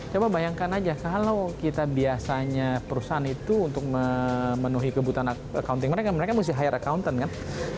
coba bayangkan aja kalau kita biasanya perusahaan itu untuk memenuhi kebutuhan accounting mereka mereka mesti high accounten kan